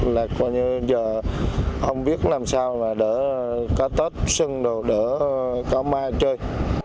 là coi như giờ không biết làm sao là đỡ cá tết sân đồ đỡ cá mai chơi